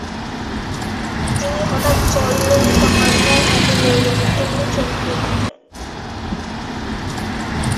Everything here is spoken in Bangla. তিনি হঠাৎ যেন জ্বলন্ত অঙ্গার হাতে লইলেন, এমনি চমকিয়া উঠিলেন।